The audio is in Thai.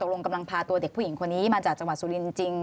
ลงกำลังพาตัวเด็กผู้หญิงคนนี้มาจากจังหวัดสุรินทร์จริง